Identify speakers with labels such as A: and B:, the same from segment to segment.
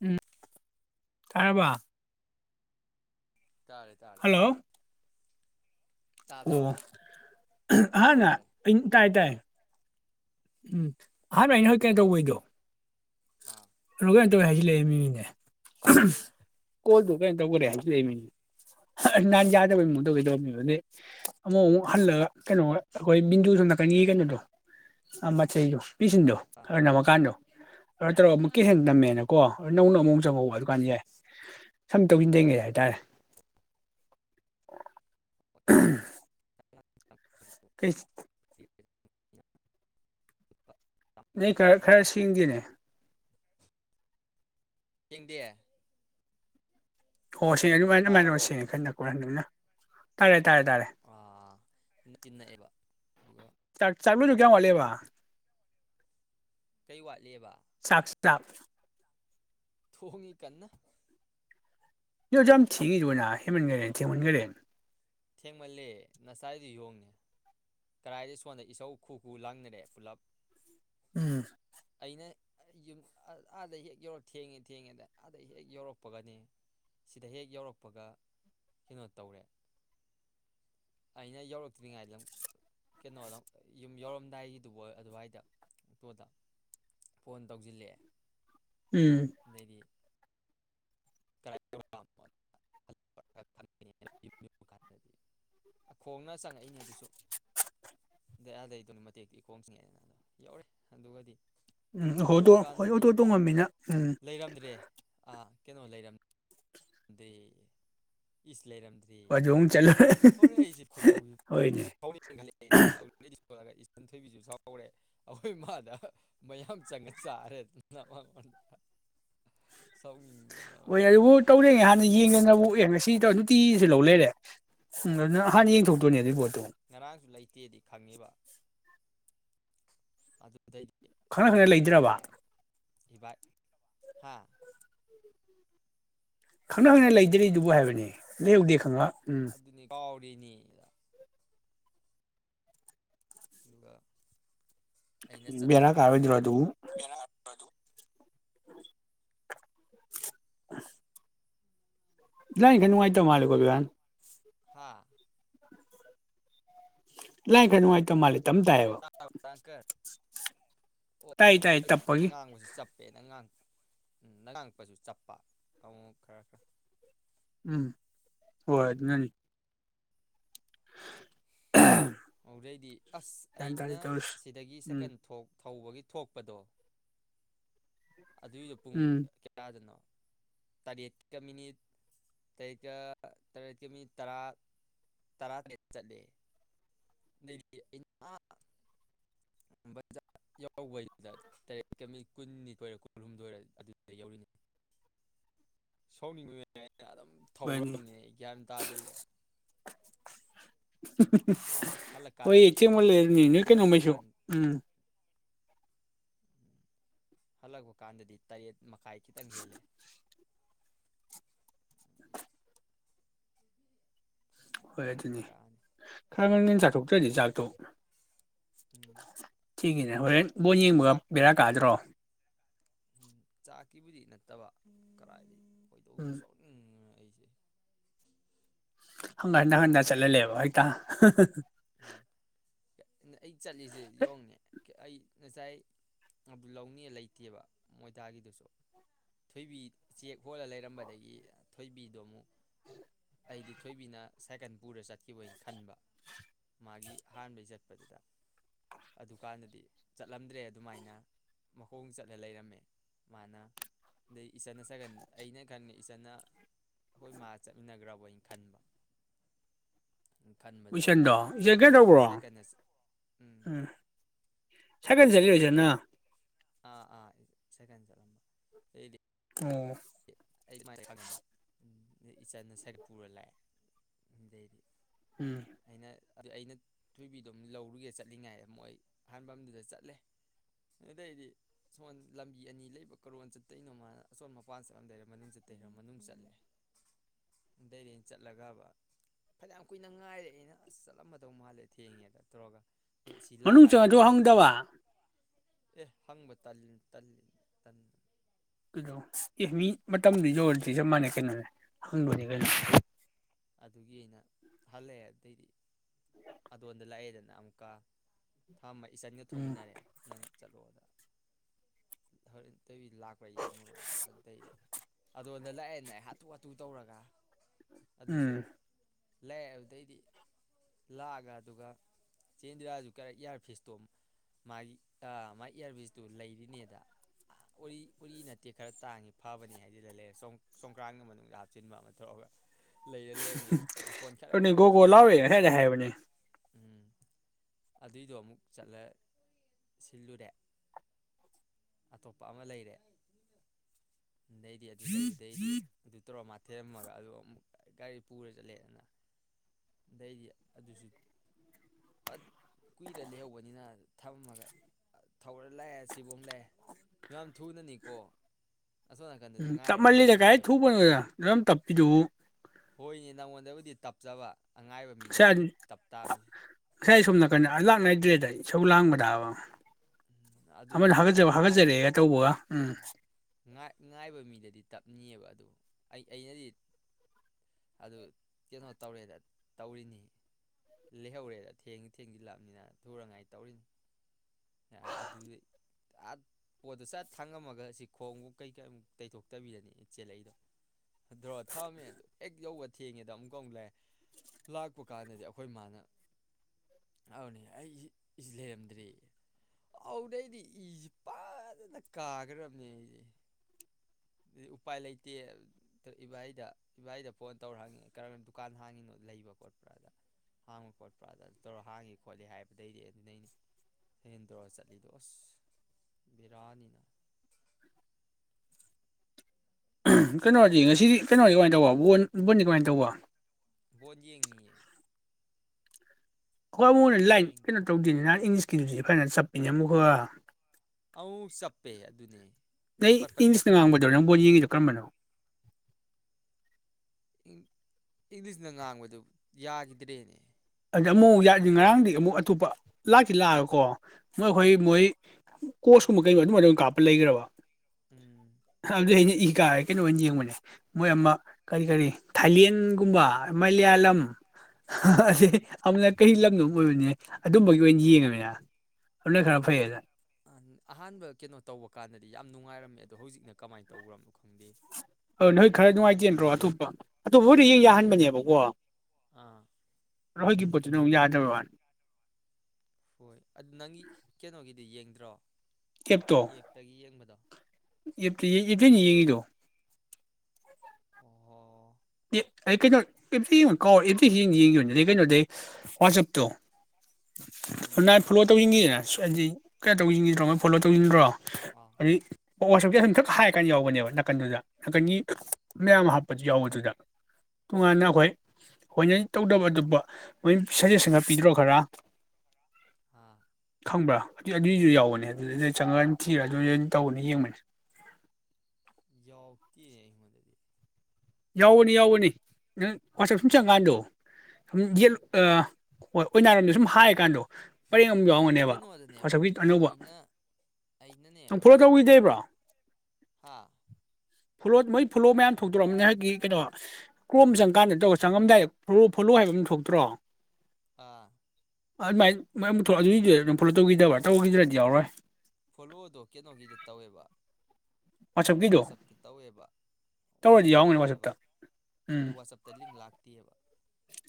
A: ꯎꯝ ꯇꯥꯔꯕ
B: ꯇꯥꯔꯦ ꯇꯥꯔꯦ
A: ꯍꯜꯂꯣ
B: ꯇꯥꯗ꯭ꯔꯣ
A: ꯑꯣ
B: ꯑꯩ
A: ꯍꯅ
B: ꯇꯥꯔꯦ
A: ꯇꯥꯏ ꯇꯥꯏ ꯎꯝ ꯑꯍꯥꯟꯕ ꯅ ꯍꯣꯏ ꯀꯩꯅ
B: ꯀꯩꯗꯧ
A: ꯇꯧꯕꯩꯗꯣ
B: ꯑꯥ
A: ꯔꯣꯍꯟ [inaudible]
B: ꯀꯩ
A: ꯀꯣꯏꯗꯣ ꯀꯃꯥꯏꯅ ꯇꯧꯈꯔꯦ ꯍꯥꯏꯕꯁꯨ ꯂꯩꯃꯤ ꯅꯍꯥꯟ ꯌꯥꯗꯕꯩ ꯃꯉꯣꯟꯗꯧ ꯀꯩꯗꯧꯔꯝꯃꯤꯕ ꯑꯗꯩ ꯑꯃꯨꯛ ꯑꯃꯨꯛ ꯍꯜꯂꯒ ꯀꯩꯅꯣ ꯑꯩꯈꯣꯏ
B: ꯎꯝ
A: ꯟꯗꯨ ꯁꯣꯝ ꯅꯥꯀꯟꯒꯤ ꯀꯩꯅꯣꯗꯣ ꯃꯆꯩꯗꯣ ꯄꯄꯤꯁꯤꯡꯗꯣ ꯈꯔ ꯅꯝꯃꯀꯥꯟꯗꯣ ꯇꯧꯔꯒ ꯑꯃꯨꯛꯀꯦ ꯍꯦꯟꯅ ꯅꯝꯃꯦꯅꯀꯣ ꯅꯧꯅ ꯑꯃꯨꯛ ꯆꯪꯍꯧꯕ ꯑꯗꯨ ꯀꯥꯟꯗ ꯌꯥꯏ ꯁꯝ ꯇꯧꯁꯤꯟꯗꯉꯩ ꯍꯥꯏꯇꯥꯔꯦ ꯀꯩ ꯃꯌꯦꯛ ꯈꯔ ꯈꯔ ꯁꯤꯡꯗꯦꯅꯦ
B: ꯏꯗꯤꯌꯥ
A: ꯍꯣꯏ ꯁꯦ ꯑꯗꯨꯃꯥꯏ ꯑꯗꯨꯃꯥꯏꯅ
B: ꯇꯥꯔꯕꯣ
A: ꯁꯦꯡꯦ ꯈꯟꯅꯀꯣ ꯍꯟꯅꯤꯡꯅ ꯇꯥꯥꯔꯦ
B: ꯑꯥ ꯇꯤꯟꯅꯑꯦꯕ
A: [unintelligible]
B: ꯀꯩ ꯋꯥꯠꯂꯤꯑꯦꯕ
A: ꯆꯐ ꯆꯐ
B: ꯊꯣꯡꯉꯤ ꯀꯟꯅ
A: ꯅꯣꯢ ꯌꯥꯝ ꯊꯦꯡꯉꯤꯔꯤꯕꯅ ꯍꯦꯃꯟꯒꯔꯦꯟ ꯊꯦꯡꯃꯟꯒꯦꯔꯦꯟ
B: ꯊꯦꯡꯃꯜꯂꯦ ꯅꯁꯥꯏꯒꯤꯗꯨ ꯌꯦꯡꯉꯣ ꯀꯗꯥꯥꯏꯗ ꯁꯣꯟꯗ ꯏꯆꯧ ꯈꯨ ꯈꯨ ꯂꯥꯡꯅꯔꯦ ꯄꯨꯜꯂꯞ
A: ꯎꯝ
B: ꯑꯩꯅ ꯌꯨꯝ ꯑꯥꯗꯩ ꯍꯦꯛ ꯌꯧꯔꯛ ꯊꯦꯡꯉꯦ ꯊꯦꯡꯉꯦ ꯑꯗ ꯑꯥꯗꯩ ꯍꯦꯛ ꯌꯧꯔꯛꯄꯒꯅꯦ ꯁꯤꯗ ꯍꯦꯛ ꯌꯧꯔꯛꯄꯒ ꯀꯩꯅꯣ ꯇꯧꯔꯦ ꯑꯩꯅ ꯌꯧꯔꯛꯇ꯭ꯔꯤꯉꯩꯗꯪ ꯀꯩꯅꯣꯗꯪ ꯌꯨꯝ ꯌꯧꯔꯝꯗꯥꯏꯒꯤꯗꯨꯕꯨ ꯑꯗꯨꯋꯥꯏꯗ ꯑꯣꯛꯇꯣꯗ ꯐꯣꯟ ꯇꯧꯁꯤꯜꯂꯛꯑꯦ
A: ꯎꯝ
B: ꯑꯗꯩꯗꯤ ꯈꯣꯡꯅ ꯆꯪꯉꯛꯏꯅꯦ ꯑꯗꯨꯁꯨ ꯑꯗꯩ ꯑꯗꯩꯗꯨꯅ ꯃꯇꯦꯛꯇꯤ ꯏ ꯈꯣꯡ ꯆꯪꯉꯛꯦꯗꯅ ꯑꯗꯣ ꯌꯧꯔꯦ ꯑꯗꯨꯒꯗꯤ
A: ꯎꯝ ꯍꯣꯇꯣ ꯍꯣꯏ
B: ꯍꯧꯀꯥꯟꯗꯗꯤ
A: ꯑꯣꯇꯣ ꯇꯣꯡꯉꯝꯃꯤꯅ ꯎꯝ
B: ꯂꯩꯔꯝꯗ꯭ꯔꯦ ꯀꯩꯅꯣ ꯂꯩꯔ ꯗꯤ ꯏꯁ ꯂꯩꯔꯝꯗ꯭ꯔꯤ
A: ꯑꯗꯨ ꯑꯃꯨꯛ ꯆꯠꯂꯨꯔꯦ
B: ꯍꯣꯔꯦꯟ ꯑꯩꯁꯦ ꯈꯣꯏꯗꯧ
A: ꯍꯣꯏꯅꯦ
B: ꯁꯥꯎꯅꯤꯡꯈꯠꯂꯛꯑꯦꯅꯦ ꯏꯆꯟ ꯊꯣꯏꯕꯤꯁꯨ ꯁꯥꯎꯔꯦ ꯑꯩꯈꯣꯏ ꯃꯥꯗ ꯃꯌꯥꯝ ꯆꯪꯉ ꯆꯥꯔꯦꯅ
A: [unintelligible] ꯇꯧꯔꯤꯉꯩ ꯍꯥꯟꯅ
B: ꯃꯌꯥꯝ
A: ꯌꯦꯡꯗꯅꯕꯨꯛ ꯑꯦ
B: ꯆꯪꯉ
A: ꯉꯁꯤ ꯇꯧꯔꯦ ꯅꯨꯡꯇꯤꯁꯨ ꯂꯧ ꯂꯩꯔꯦ ꯅꯪꯅ ꯍꯥꯟꯅ ꯌꯦꯡ
B: ꯎꯝ ꯉꯔꯥꯡꯁꯨ ꯂꯩꯇꯦꯗꯤ ꯈꯪꯉꯤꯕ ꯑꯗꯨ ꯑꯗꯨꯗꯩꯗꯤ
A: ꯈꯪꯅ ꯈꯪꯅ
B: ꯁꯥꯏꯀꯜꯗꯣ
A: ꯂꯩꯇ꯭ꯔꯕ
B: ꯄꯨꯊꯣꯔꯛꯑꯦ ꯏꯕꯥꯏ ꯍꯥꯥ
A: ꯈꯪꯅ ꯈꯪꯅ ꯂꯩꯗ꯭ꯔꯤꯗꯨꯕꯨ ꯍꯥꯏꯕꯅꯤ ꯂꯩꯍꯧꯗꯦ ꯈꯪꯑ
B: ꯑꯗꯨꯅꯤ ꯀꯥꯎꯔꯦ [unintelligible] ꯑꯗꯨꯒ ꯑꯩꯅ ꯆꯠꯂꯒ
A: ꯕꯦꯔꯥ ꯀꯥꯔꯣꯏꯗ꯭ꯔꯣ ꯑꯗꯨꯕꯨ ꯑꯁ ꯂꯥꯏ ꯈ ꯅꯨꯡꯉꯥꯏꯇ ꯃꯥꯜꯂꯦꯀꯣ ꯕꯦꯔꯥꯟ
B: ꯍꯥꯥ
A: ꯂꯥꯏ ꯈꯔ ꯅꯨꯡꯉꯥꯏꯇ ꯃꯥꯜꯂꯤ
B: ꯇꯥꯔꯕ꯭ꯔꯣ ꯗꯥꯡ ꯀꯔ
A: ꯇꯥꯏ ꯇꯥꯏ ꯇꯞꯄꯒꯤ
B: ꯄꯦꯟꯅ ꯉꯥꯡ ꯅꯪ ꯉꯛꯕꯁꯨ ꯆꯠꯄ ꯑꯃꯨꯛ ꯈꯔ ꯈꯔ
A: ꯎꯝ ꯍꯣꯏ ꯑꯗꯨꯅꯅꯤ [unintelligible]
B: ꯑꯧꯗꯩꯗꯤ ꯑꯁ
A: ꯒ꯭ꯌꯥꯟ ꯇꯥꯗꯦ
B: ꯑꯩꯅ
A: ꯇꯧꯔꯤꯁꯤ
B: ꯁꯤꯗꯒꯤ
A: ꯎꯝ
B: ꯁꯀꯟ ꯊꯣꯛ ꯊꯧꯕꯒꯤ ꯊꯣꯛꯄꯗꯣ ꯑꯗꯨꯏꯗꯣ ꯄꯨꯡ
A: ꯎꯝ
B: ꯀ ꯌꯥꯗꯅꯣ ꯇꯔꯦꯠꯀ ꯃꯤꯅꯤꯠ ꯇꯔꯦꯠꯀ ꯇꯔꯦꯠꯀ ꯃꯤꯅꯤꯠ ꯇꯔꯥ ꯇꯔꯥ ꯇꯔꯦꯠ ꯆꯠꯂꯦ ꯑ ꯕꯖꯥꯔ ꯌꯧꯕꯩꯗ ꯇꯔꯦꯠꯀ ꯃꯤ ꯀꯨꯟꯅꯤꯊꯣꯏꯔ ꯀꯨꯟꯍꯨꯝꯗꯣꯏꯔ ꯑꯗꯨꯗ ꯌꯧꯔꯤꯅꯤ ꯁꯧꯅꯤꯡꯕꯩ ꯃꯌꯥꯏꯅ ꯑꯗꯨꯝ
A: ꯍꯣꯏꯅꯦ
B: ꯊꯧꯈ꯭ꯔꯕꯅꯤ ꯑꯩ ꯒ꯭ꯌꯥꯟ ꯇꯥꯗꯕꯤꯗ ꯑꯗꯩ
A: ꯍꯣꯏ
B: ꯍꯜꯂꯛꯀꯥꯟꯗꯕꯨꯗꯤ
A: ꯏꯆꯦ ꯑꯃ ꯂꯩꯔꯅꯤ ꯅꯣꯏ
B: ꯍꯜꯂꯛꯄꯗ
A: ꯀꯩꯅꯣꯃꯥꯏꯁꯨ
B: ꯀꯥꯟ
A: ꯎꯝ
B: ꯍꯜꯂꯛꯄ ꯀꯥꯟꯗꯗꯤ ꯇꯔꯦꯠ ꯀꯥꯏꯀꯤꯇꯪ ꯍꯦꯂꯦ
A: ꯍ ꯇꯅꯤ
B: ꯕꯦꯔꯥꯅꯤ
A: ꯊꯒ ꯆꯊꯣꯛꯇꯗꯤ ꯊꯣꯛ
B: ꯎꯝ
A: [inaudible] ꯊꯤꯒꯤꯅꯦ ꯍꯣꯔꯦꯟ ꯕꯣꯣꯟ ꯌꯦꯡꯕꯒ
B: ꯆꯥꯛ
A: ꯕꯦꯔꯥ ꯀꯥꯗ꯭ꯔꯣ
B: ꯎꯝ ꯆꯥꯛꯀꯤꯕꯨꯗꯤ ꯅꯠꯇꯕ ꯀꯔꯥꯏꯗꯤ ꯀꯩꯗꯧꯗꯨ
A: ꯎꯝ
B: ꯁ ꯑꯩꯁꯦ
A: ꯍꯪꯟꯟꯅ ꯍꯟꯟꯅ ꯆꯠꯍꯜꯂꯦꯕ ꯍꯇꯥ
B: ꯎꯝ ꯑꯩ ꯆꯠꯂꯤꯁꯦ ꯌꯣꯡꯉꯦ ꯑꯩ ꯉꯁꯥꯏ ꯑꯕꯗꯨꯜ ꯂꯧꯅꯤ ꯂꯩꯇꯦꯕ ꯃꯣꯏꯇꯥꯒꯤꯗꯨꯁꯨ ꯊꯣꯏꯕꯤ ꯆꯦꯛ ꯍꯣꯜꯂ ꯂꯩꯔꯝꯕꯗꯒꯤ ꯊꯣꯏꯕꯤꯗꯣ ꯑꯃꯨꯛ ꯑꯩꯗꯤ ꯊꯣꯏꯕꯤꯅ ꯁꯥꯏꯀꯜ ꯄꯨꯔ ꯆꯠꯈꯤꯕꯅ ꯈꯟꯕ ꯃꯥꯒꯤ ꯑꯍꯥꯟꯕꯩ ꯆꯠꯄꯗꯨꯗ ꯑꯗꯨꯀꯥꯟꯗꯗꯤ ꯆꯠꯂꯝꯗ꯭ꯔꯦ ꯑꯗꯨꯃꯥꯏꯅ ꯃꯈꯣꯡ ꯆꯠꯂ ꯂꯩꯔꯝꯃꯦ ꯃꯥꯅ ꯑꯗꯩ ꯏꯆꯅꯒ ꯑꯩꯅ ꯈꯟꯒꯦ ꯏꯆꯟꯅ ꯑꯩꯈꯣꯏ ꯃꯥ ꯆꯠꯃꯤꯟꯅꯈ꯭ꯔꯕꯅ ꯈꯟꯕ ꯈꯟꯕꯗꯨꯗ
A: ꯏꯆꯟꯗꯣ ꯏꯆꯟ ꯀꯩꯅꯣ
B: ꯇꯣꯏꯕꯤ
A: ꯇꯧꯕ꯭ꯔꯣ
B: ꯁꯥꯏꯀꯅ ꯎꯝ
A: ꯍꯀꯩꯅ ꯆꯂꯤꯁꯅ
B: ꯑ ꯑꯥ ꯁꯀꯖꯝꯕꯗꯤ
A: ꯎ
B: ꯑꯩꯗꯅ ꯏꯆꯅ ꯁꯔꯛ ꯄꯨꯔ ꯂꯥꯛꯑꯦ ꯑꯗꯩꯗꯤ
A: ꯎꯝ
B: ꯑꯗꯨꯗ ꯑꯩꯅ ꯊꯣꯏꯕꯤꯗꯣ ꯑꯃ ꯂꯧꯔꯨꯒꯦ ꯆꯠꯂꯤꯉꯥꯏ ꯑꯃꯨꯛ ꯑꯩ ꯑꯍꯥꯟꯕꯝꯗꯨꯗ ꯆꯠꯂꯦ ꯑꯗꯩꯗꯤ ꯁꯣꯝ ꯂꯝꯕꯤ ꯑꯅꯤ ꯂꯩꯕ ꯀꯔꯣꯟ ꯆꯠꯇꯣꯏꯅꯣ ꯃꯥꯅ ꯑꯆꯣꯟ ꯃ ꯃꯄꯥꯟ ꯆꯠꯂꯝꯗꯩꯔ ꯃꯅꯨꯡ ꯆꯠꯩꯔ ꯃꯅꯨꯡ ꯆꯠꯂꯦ ꯇꯩꯔꯦꯩꯅ ꯆꯠꯂꯒ ꯐꯅꯌꯥꯝ ꯀꯨꯏꯅ ꯉꯥꯏꯔꯦ ꯑꯩꯅ ꯑꯁ ꯆꯠꯂꯝꯃꯗꯧ ꯃꯥꯜꯂꯦ ꯊꯦꯡꯉꯦꯗ ꯇꯧꯔꯒ ꯁꯤ
A: ꯃꯅꯨꯡ
B: ꯂꯥꯛꯀꯥꯟꯗ ꯑꯃꯨꯛ
A: ꯆꯪꯉꯁꯨ
B: ꯂꯩꯔꯝꯗ꯭ꯔꯦ
A: ꯍꯪꯗꯕ
B: ꯑꯦ ꯍꯪꯕ ꯇ ꯇ
A: ꯑꯗꯨꯗꯣ ꯑꯦ ꯃꯤ ꯃꯇꯝꯗꯨ ꯌꯧꯔꯗ꯭ꯔꯤ ꯆꯞ ꯃꯥꯟꯅꯩ ꯀꯩꯅꯣꯅꯦ ꯍꯪꯗꯣꯅꯦ ꯀꯩꯅꯣ
B: ꯑꯗꯨꯒꯤ ꯑꯩꯅ ꯍꯜꯂꯛꯑꯦ ꯑꯗꯨꯗꯩꯗꯤ ꯑꯗꯣꯟꯝꯗ ꯂꯥꯛꯑꯦꯗꯅ ꯑꯃꯨꯛꯀ ꯑꯍꯝꯕ ꯏꯆꯟꯒ
A: ꯎꯝ
B: ꯊꯣꯡꯃꯤꯟꯅꯔꯦ ꯅꯪ ꯆꯠꯂꯣꯗ ꯍꯣꯔꯦꯟ ꯇꯩ ꯂꯥꯛꯄ ꯌꯦꯡꯉꯨꯔꯣꯅ ꯑꯗꯨ ꯇꯩꯗꯤ ꯑꯗꯣꯗ ꯂꯥꯛꯑꯦꯅ ꯑꯩ ꯍꯥꯊꯨ ꯍꯥꯊꯨ ꯇꯧꯔꯒ
A: ꯎꯝ
B: ꯑꯗꯨꯁꯨ ꯂꯩꯦ ꯑꯗꯨꯗꯩꯗꯤ ꯂꯥꯛꯑꯒ ꯑꯗꯨꯒ ꯆꯦꯟꯗ꯭ꯔꯁꯨ ꯈꯔ ꯏꯌꯥꯔꯕꯤꯁꯇꯣ ꯃꯥꯒꯤ ꯃꯥꯒꯤ ꯏꯌꯥꯔꯕꯤꯁꯇꯨ ꯂꯩꯔꯤꯅꯦꯗ ꯎꯔꯤ ꯎꯔꯤ ꯅꯠꯇꯦ ꯈꯔ ꯇꯥꯡꯉꯤ ꯐꯕꯅꯤ ꯍꯥꯏꯗꯤ ꯂꯩꯔꯦ ꯆꯣꯡꯀ꯭ꯔꯥꯟꯒꯤ ꯃꯅꯨꯡꯗ ꯍꯥꯞꯆꯤꯟꯕ ꯑꯃ ꯊꯣꯛꯔꯛꯒ
A: ꯑꯣꯅꯤ ꯒꯣꯒꯣ ꯂꯥꯎ
B: ꯈꯦꯡꯉꯦꯗ
A: ꯍꯥꯏꯑꯦꯗ ꯍꯥꯏꯑꯦꯕꯅꯤ
B: ꯎꯝ ꯑꯗꯨꯏꯗꯣ ꯑꯃꯨꯛ ꯆꯠꯂ ꯁꯤꯜꯂꯨꯔꯦ ꯑꯇꯣꯞꯄ ꯑꯃ ꯂꯩꯔꯦ ꯑꯗꯩꯗꯤ ꯑꯗꯨ ꯂꯩꯕꯗꯩꯗꯤ ꯑꯗꯨ ꯇꯧꯔ ꯃꯥ ꯊꯦꯝꯃꯒ ꯑꯗꯨ ꯑꯃꯨꯛ ꯒꯥꯔꯤ ꯄꯨꯔ ꯆꯠꯂꯦꯗꯅ ꯑꯗꯩꯗꯤ ꯑꯗꯨꯁꯨ ꯐꯠ ꯀꯨꯏꯔ ꯂꯩꯍꯧꯕꯅꯤꯅ ꯊꯝꯃꯒ ꯊꯧꯔ ꯂꯥꯛꯑꯦ ꯑꯁꯤꯕ ꯑꯃ ꯂꯥꯛꯑꯦ ꯌꯥꯝ ꯊꯨꯅꯅꯤꯀꯣ ꯑꯁꯣꯝ ꯅꯥꯀꯟꯗꯁꯨ ꯉꯥꯏꯔ ꯑꯗꯨꯝ
A: ꯇꯞꯃꯜꯂꯤꯗ ꯒꯥꯔꯤ
B: ꯂꯩꯕꯅꯤꯅ
A: ꯊꯧꯔꯨꯕꯩ ꯑꯣꯏꯔꯦ ꯔꯝ ꯇꯞꯄꯤꯗꯨꯕꯨ
B: ꯍꯣꯏꯅꯦ ꯅꯪꯉꯣꯟꯗꯕꯨꯗꯤ ꯇꯞꯆꯕ ꯑꯉꯥꯏꯕ
A: ꯉꯁꯥꯏ
B: ꯃꯤꯗꯕꯨꯗꯤ ꯇꯞ ꯇꯥꯥꯃꯤ
A: ꯀꯩꯅꯣ ꯂꯥꯛꯅꯗ꯭ꯔꯦꯗ ꯏꯁꯧ ꯂꯥꯡꯕꯗꯕ ꯑꯃꯅ
B: ꯑꯗꯨꯅꯤ
A: ꯍꯥꯒꯠꯆꯕ
B: ꯉꯥ
A: ꯍꯥꯒꯠꯆꯔꯛꯑꯦꯒ ꯇꯧꯕꯒ ꯎꯝ
B: ꯉꯥ ꯉꯥꯏꯕ ꯃꯤꯗꯗꯤ ꯇꯞ ꯅꯤꯕ ꯑꯗꯨ ꯑꯩ ꯑꯩꯅꯗꯤ ꯑꯗꯨ ꯀꯩꯅꯣ ꯇꯧꯔꯦꯗ ꯇꯧꯔꯤꯅꯤ ꯂꯩꯍꯧꯔꯦꯗ ꯊꯦꯡ ꯊꯦꯡꯖꯤ ꯂꯕꯅꯤꯅ ꯊꯨꯔꯉꯥꯏ ꯇꯧꯔꯤꯅꯤ ꯑꯗꯨ ꯑꯥ ꯄꯣꯠꯇꯣ ꯆꯠ ꯊꯥꯡꯉꯝꯃꯒ ꯁꯤ ꯈꯣꯡꯒ ꯀꯩ ꯀꯩꯃꯨꯛ ꯇꯩꯊꯣꯛꯇꯕꯤꯔꯅꯤ ꯆꯦꯜꯂꯛꯏꯗꯣ ꯑꯗꯨꯗ꯭ꯔꯣ ꯊꯝꯃꯦ ꯑꯗꯣ ꯍꯦꯛ ꯌꯧꯕ ꯊꯦꯡꯉꯦꯗ ꯑꯃꯨꯛꯀ ꯑꯃꯨꯛ ꯂꯥꯛꯑꯦ ꯂꯥꯛꯄ ꯀꯥꯟꯗꯗꯤ ꯑꯩꯈꯣꯏ ꯏ ꯃꯥꯅ ꯍꯥꯏꯅꯤ ꯑꯩꯁꯤ ꯂꯩꯔꯝꯗ꯭ꯔꯤ ꯑꯗꯩꯗꯤ ꯏꯁꯤ ꯐꯖꯅ ꯀꯥꯈ꯭ꯔꯕꯅꯦ ꯑꯩꯗꯤ ꯎꯄꯥꯏ ꯂꯩꯇꯦ ꯏꯚꯥꯏꯗ ꯏꯚꯥꯏꯗ ꯐꯣꯟ ꯇꯧꯔ ꯍꯪꯉꯤ ꯀꯔꯝꯕ ꯗꯨꯀꯥꯟ ꯍꯥꯡꯉꯤꯅꯣ ꯂꯩꯕ ꯈꯣꯠꯄ꯭ꯔꯥꯗ ꯍꯥꯡꯕ ꯈꯣꯠꯄ꯭ꯔꯥꯗ ꯇꯧꯔꯣ ꯍꯥꯡꯉꯤ ꯈꯣꯠꯂꯤ ꯍꯥꯏꯕꯗꯩꯗꯤ ꯑꯗꯨꯅꯩꯅꯦ ꯍꯦꯟ ꯇꯧꯔꯒ ꯆꯠꯂ ꯂꯤꯗꯣꯁ ꯕꯦꯔꯥꯅꯤꯅ ꯉꯁꯤ
A: ꯀꯩꯅꯣꯗꯤ
B: ꯑꯩ
A: ꯉꯁꯤꯗꯤ ꯀꯩꯅꯣꯗꯤ ꯀꯃꯥꯏꯅ ꯇꯧꯕ ꯕꯣꯟ ꯕꯣꯟꯗꯤ ꯀꯃꯥꯏꯅ ꯇꯧꯕ
B: ꯕꯣꯟ ꯌꯦꯡꯅꯤꯌꯦ
A: ꯑꯩꯈꯣꯏꯨꯅ
B: ꯕꯣꯟ
A: ꯂꯥꯏꯟ ꯀꯩꯅꯣ
B: ꯌꯦꯡꯗꯣꯏꯅꯤ
A: ꯇꯧꯗꯦ ꯅꯍ ꯏꯪꯂꯤꯁꯀꯤꯗꯨꯗꯤ ꯐꯖꯅ ꯆꯞ ꯃꯤꯝꯨꯀꯣ
B: ꯑꯃꯨꯛ ꯃꯨꯛ ꯆꯞꯄꯦ ꯑꯗꯨꯅꯦ
A: ꯀꯩ
B: ꯄꯠ ꯄꯠ ꯇꯠ
A: ꯑꯦꯡꯂꯤꯖꯅ ꯉꯥꯡꯕꯗꯔ ꯅꯪ ꯕꯣꯟ ꯌꯦꯡꯉꯤꯗꯣ ꯀꯔꯝꯕꯅꯣ
B: ꯏꯪꯂꯤꯁꯅ ꯉꯥꯡꯕꯗꯨ ꯌꯥꯈꯤꯗ꯭ꯔꯦꯅꯦ
A: ꯑꯗ ꯑꯃꯨꯛ ꯉꯔꯥꯡꯗꯤ ꯑꯃꯨꯛ ꯑꯇꯣꯞꯄ ꯂꯥꯛꯁꯤ ꯂꯥꯛꯑꯒꯀꯣ ꯅꯣꯏ ꯑꯩꯈꯣꯏ
B: ꯎꯝ
A: ꯃꯣꯏ ꯀꯣꯁꯀꯨꯝꯕ ꯀꯩꯒꯣ ꯑꯗꯨꯝ ꯑꯗꯨꯝ ꯀꯥꯞꯄ ꯂꯩꯈ꯭ꯔꯕ
B: ꯎꯝ
A: ꯍꯥꯏꯗꯤ ꯑ ꯏ ꯀꯥꯏ ꯀꯩꯅꯣ ꯑꯣꯏꯅ ꯌꯦꯡꯕꯅꯦ ꯃꯣꯏ ꯑꯃ ꯀꯔꯤ ꯀꯔꯤ ꯊꯥꯏꯂꯦꯟꯒꯨꯝꯕ ꯃꯂꯌꯥꯂꯝ
B: ꯎꯝ
A: ꯑ ꯀꯩ ꯂꯝꯅꯣ ꯑꯃ ꯑꯣꯏꯕꯅꯤ ꯑꯗꯨꯝꯕꯒꯤ ꯑꯣꯏꯅ ꯌꯦꯡꯉꯃꯤꯅ ꯑꯗꯨꯅ ꯈꯔ ꯐꯩꯗꯅ
B: ꯑꯍꯥꯟꯕ ꯀꯩꯅꯣ ꯇꯧꯕ ꯀꯥꯟꯗꯗꯤ ꯌꯥꯝ ꯅꯨꯡꯉꯥꯏꯔꯝꯃꯦ ꯑꯗꯣ ꯍꯧꯖꯤꯛꯅ ꯀꯃꯥꯏꯅ ꯇꯧꯒꯔꯝꯅꯣ ꯈꯪꯗꯦ
A: ꯑ ꯅꯣꯏ ꯈꯔ
B: ꯅꯨꯡꯉꯥꯏꯈꯤꯗ
A: ꯅꯨꯡꯉꯥꯏꯇꯦꯟꯗ꯭ꯔꯣ ꯑꯇꯣꯞꯄ ꯑꯇꯣꯞꯄꯕꯨꯗꯤ ꯍꯌꯦꯡ ꯌꯥꯍꯟꯕꯅꯦꯕ ꯀꯣ
B: ꯑꯥ
A: ꯑꯩꯈꯣꯏꯒꯤ ꯄꯣꯠꯇꯨꯅ ꯑꯃꯨꯛ ꯌꯥꯗꯕꯕꯥꯅꯤ
B: ꯍꯣꯏ ꯑꯗꯨ ꯅꯪꯒꯤ ꯀꯩꯅꯣꯒꯤꯗꯤ ꯌꯦꯡꯗ ꯭ꯔꯣ
A: ꯑꯦꯞꯇꯣꯇ ꯌꯦ ꯛꯇꯣ
B: ꯑꯣ
A: ꯑꯦ ꯑꯩ ꯀꯩꯅꯣ ꯑꯦꯞꯇꯤ ꯌꯦꯡ ꯀꯥꯎꯔ ꯑꯦꯐꯇꯤ ꯍꯦꯡ ꯌꯦꯡꯈꯤꯕꯅꯦ ꯑꯗꯨ ꯑꯩ ꯀꯩꯅꯣꯗꯤ ꯑꯩ ꯋꯥꯆꯞꯇꯣ
B: ꯎꯝ
A: ꯅ ꯐꯂꯣ ꯇ ꯍꯤꯅꯦ ꯀ ꯇꯧ ꯐꯣꯂꯣ ꯇꯨꯗ꯭ꯔꯣ
B: ꯑꯥ ꯑꯥ
A: ꯑꯗꯨꯩ ꯑꯣ ꯋꯥꯁꯞꯁꯦ ꯑꯗꯨꯝ ꯊꯛ ꯍꯥꯏ ꯀꯥꯟꯗ ꯌꯥꯎꯕꯅꯦꯕ ꯅꯥꯀꯟꯗꯨꯗ ꯅꯥꯀꯟꯒꯤ ꯃꯌꯥꯝ ꯍꯥꯞꯄꯗꯨ ꯌꯥꯎꯕꯗꯨꯗ ꯇꯣꯉꯥꯟꯅ ꯑꯩꯈꯣꯏ ꯍꯣꯏꯅ ꯇꯧꯗꯕ ꯑꯗꯨꯞ ꯃꯣꯏ ꯁꯖꯦꯁꯟ ꯈꯔ ꯄꯤꯗ꯭ꯔꯣ ꯈꯔ
B: ꯑꯥ
A: ꯈꯪꯕ꯭ꯔ ꯑꯗꯨ ꯑꯗꯨꯏꯁꯨ ꯌꯥꯎꯕꯅꯦ ꯑꯗꯨꯗ ꯆꯪꯉ ꯊꯤꯔ ꯑꯗꯨ ꯇꯧꯕꯅꯤ ꯌꯦꯡꯕꯅꯦ
B: ꯌꯥꯎ ꯀ ꯃꯗꯤ
A: ꯌꯥꯎꯔꯅꯤ ꯌꯥꯎꯒꯅꯤ ꯅꯪ ꯋꯥꯆꯞ ꯁꯨꯝ ꯆꯪꯀꯥꯟꯗꯣ ꯁꯨꯝ ꯌꯦ ꯍꯣꯏ ꯑꯣꯏꯔꯣꯗꯣ ꯁꯨꯝ ꯍꯥꯏꯔ ꯀꯥꯟꯗꯣ ꯄꯔꯦꯡ ꯑꯃ ꯌꯥꯎꯔꯝꯒꯅꯦꯕ
B: ꯀꯩꯅꯣꯗꯅꯦꯕ
A: ꯋꯥꯆꯞꯀꯤ ꯑꯅꯧꯕ
B: ꯑꯩꯅ ꯑꯩꯅꯅꯦ
A: ꯅꯪ
B: ꯑꯃ
A: ꯐꯣꯂꯣ
B: ꯌꯥꯎꯔꯤꯁꯤꯅꯦ
A: ꯇꯧꯈꯤꯗ꯭ꯔꯤꯕ꯭ꯔꯣ
B: ꯍꯥ
A: ꯐꯨꯂꯣ ꯃꯣꯏ ꯐꯨꯂꯣ ꯃꯌꯥꯝ ꯊꯧꯗꯣꯔꯑꯝꯅꯦ ꯍꯥꯏ ꯒꯤ ꯀꯩꯅꯣ ꯀ꯭ꯔꯣꯝ ꯆꯪꯀꯥꯟꯗ ꯇꯧ ꯆꯪꯉꯝꯗꯥꯏ ꯐꯂꯨ ꯐꯣꯂꯨ ꯍꯥꯏꯕ ꯑꯃ ꯊꯣꯛꯇ꯭ꯔꯣ
B: ꯑꯥ
A: ꯑꯗꯨꯃꯥꯏ ꯑꯗꯨꯏꯗꯨ ꯑꯗꯨ ꯐꯣꯂꯣ ꯇꯧꯈꯤꯗꯕ꯭ꯔ ꯇꯧꯔꯈꯤꯗ꯭ꯔꯗꯤ ꯌꯥꯎꯔꯣꯏ
B: ꯐꯣꯂꯣꯗꯣ ꯀꯩꯅꯣꯒꯤꯗ ꯇꯧꯋꯦꯕ
A: ꯋꯥꯆꯞꯀꯤꯗꯣ
B: ꯋꯥꯆꯞꯇ ꯇꯧꯋꯦꯕ
A: ꯇꯧꯔꯗꯤ
B: ꯋꯥꯆꯞꯇ
A: ꯌꯥꯎꯔꯝꯒꯅꯤ
B: ꯇꯧꯋꯦꯕ
A: ꯋꯥꯆꯞꯇ
B: ꯑꯗꯨ
A: ꯎꯝ
B: ꯋꯥꯆꯞꯇ ꯂꯤꯡ ꯂꯥꯛꯇꯦꯑꯕ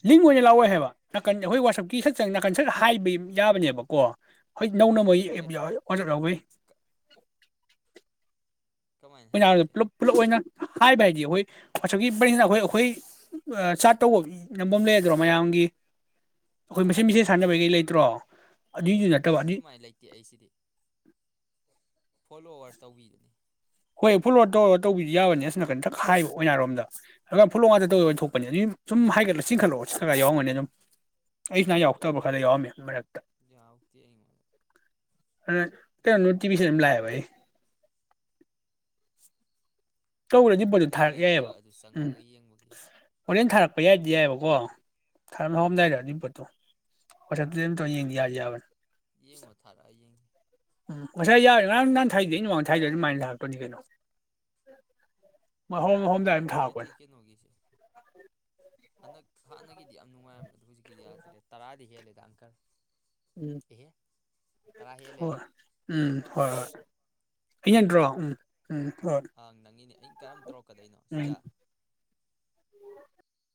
A: ꯂꯤꯡ ꯑꯣꯏꯅ ꯂꯥꯛꯑꯣꯏ ꯍꯥꯏꯕ ꯅꯥꯀꯟ ꯑꯩꯈꯣꯏ ꯋꯥꯆꯞꯀꯤ ꯁ ꯆꯪ ꯅꯥꯀꯟ ꯁꯠ ꯍꯥꯏꯕ ꯌꯥꯕꯅꯦꯕꯀꯣ ꯍꯣꯏ ꯅꯧꯅ ꯃꯩ
B: ꯍꯥꯏꯒꯠꯄ
A: ꯑꯣꯗꯔ ꯂꯧꯎꯋꯤ
B: ꯀꯃꯥꯏꯅ
A: ꯑꯣꯏꯅ
B: ꯍꯥꯏꯒꯠꯀꯦ
A: ꯄꯨꯂꯞ ꯄꯨꯜꯂꯞ ꯑꯣꯏꯅ ꯍꯥꯏꯕ ꯍꯥꯏꯗꯤ ꯑꯩꯈꯣꯏ ꯑꯁꯨꯛꯀꯤ ꯄꯦꯡꯁꯤꯅ ꯑꯩꯈꯣꯏ ꯑꯩꯈꯣꯏ ꯆꯥ ꯇꯧꯕ ꯅꯝꯕ ꯑꯃ ꯂꯩꯒꯗ꯭ꯔꯣ ꯃꯌꯥꯝꯒꯤ ꯑꯩꯈꯣꯏ
B: ꯑꯥ
A: ꯃꯁꯦꯟ ꯃꯁꯦꯟ ꯁꯥꯟꯅꯕꯩ ꯀꯩ ꯂꯩꯦ ꯀꯨꯇ꯭ꯔꯣ
B: ꯑꯗꯨꯃꯥꯏꯅ ꯂꯩꯇꯦ ꯑꯩꯁꯤꯗꯤ ꯐꯣꯂꯣꯋꯥꯔ ꯇꯧꯕꯤꯗꯨꯅꯤ
A: ꯍꯣꯏ ꯐꯣꯂꯣ ꯇꯧꯔ ꯇꯧꯕꯤꯗꯤ ꯌꯥꯕꯅꯤ ꯑꯅ ꯀꯟꯇꯛ ꯍꯥꯏꯕ ꯑꯣꯏꯅꯔꯣꯝꯗ ꯐꯣꯂꯣ ꯉꯥꯛꯇ ꯇꯧꯔ ꯊꯣꯛꯄꯅꯤ ꯑꯗꯨ ꯁꯨꯝ ꯍꯥꯏꯒꯠꯂ ꯆꯤꯟꯈꯠꯂꯛꯑꯣ ꯆ ꯌꯥꯎꯔꯝꯒꯅꯤ ꯑꯗꯨꯝ ꯑꯩ ꯏꯁꯅꯥ ꯌꯥꯎꯔꯛꯇꯕ ꯈꯔꯗ ꯌꯥꯎꯔꯝꯃꯦ ꯃꯔꯛꯇ
B: ꯌꯥꯥꯎ ꯀ ꯃ
A: ꯑꯩꯅ ꯅꯣꯇꯤꯐꯁꯟ ꯂꯥꯛ ꯇꯧꯨꯔꯗꯤ ꯕꯣꯜꯗꯨ
B: ꯂꯤꯡ
A: ꯊꯥꯔꯛ ꯌꯥꯏꯑꯕ
B: ꯂꯩꯇꯦꯕ ꯑꯗꯨ
A: ꯎꯝ
B: ꯆꯪꯉꯒ ꯌꯦꯡꯕꯒꯤ
A: ꯍꯣꯔꯦꯟ ꯊꯥꯔꯛ ꯄ ꯌꯥꯏꯗꯤ ꯌꯥꯏꯑꯕꯀꯣ ꯊꯥꯏꯅ
B: ꯎꯝ
A: ꯍꯐꯝꯗꯏꯔꯄꯠꯇꯣ ꯄ ꯑꯗꯨ ꯑ ꯌꯥ
B: ꯌꯦꯡꯉꯣ ꯊꯥꯔ ꯌꯦꯡ
A: ꯎꯝ ꯉꯁꯥꯏ ꯌꯥꯔꯦ ꯉꯔ ꯅꯍꯥꯟ ꯊꯥꯏꯗꯦ ꯃꯃꯥꯡꯗ ꯊꯥꯏꯗꯣꯏ ꯑꯗꯨꯃꯥꯏꯅ ꯂꯥꯛꯇꯣꯏꯅꯤ ꯀꯩꯅꯣ ꯃꯍꯣꯡ
B: ꯌꯥꯝ
A: ꯃꯣꯡꯝꯗꯥꯏꯝ ꯊꯥꯈꯣꯏ
B: ꯅꯨꯡꯉꯥꯏꯇꯦ ꯀꯩꯅꯣꯒꯤꯁꯦ ꯍꯟꯗꯛ ꯍꯥꯟꯅꯒꯤꯗꯤ ꯌꯥꯝ ꯅꯨꯡꯉꯥꯏꯔꯝꯃꯦ ꯑ ꯑꯗꯨ ꯍꯧꯖꯤꯛꯀꯤꯗꯤ ꯌꯥꯗ꯭ꯔꯦ ꯇꯔꯥꯗꯤ ꯍꯦꯜꯂꯦꯗ ꯑꯪꯀꯜ
A: ꯎꯝ
B: ꯑꯦꯍꯦ ꯇꯔꯥ
A: ꯍ
B: ꯍꯦꯜꯂꯦꯕ
A: ꯎꯝ ꯍꯣꯏ ꯍꯣꯏ
B: ꯑꯩ ꯑꯃꯨꯛ
A: ꯑꯩꯟꯗ꯭ꯔꯣ ꯎꯝ ꯎꯝ ꯍꯣꯏ
B: ꯏꯪ ꯀꯔꯝ ꯇ꯭ꯔꯣ ꯀꯗꯩꯅꯣ
A: ꯎꯝ
B: ꯁꯤꯗ